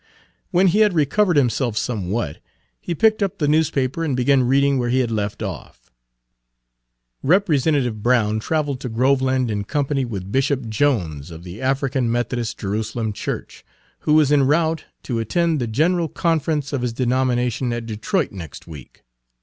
When he had recovered himself somewhat, he picked up the newspaper and began reading where he had left off. "Representative Brown traveled to Groveland in company with Bishop Jones of the African Methodist Jerusalem Church, who is en routeto attend the general conference of his denomination at Detroit next week.